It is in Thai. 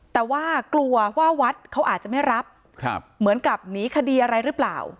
แต่ว่ากลัวว่าวัดเขาอาจจะไม่รับเหมือนกับหนีคดีอะไรหรือเปล่า